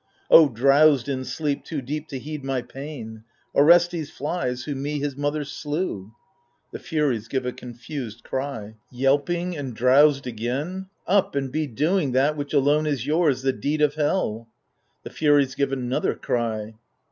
O drowsed in sleep too deep to heed my pain ! Orestes flies, who me, his mother, slew. \The Furies give a confused cry. Yelping, and drowsed again ? Up and be doing That which alone is yours, the deed of hell 1 \The Furies give another cry.